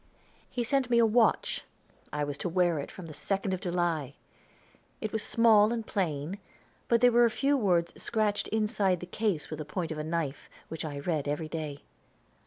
He sent me a watch. I was to wear it from the second of July. It was small and plain, but there were a few words scratched inside the case with the point of a knife, which I read every day.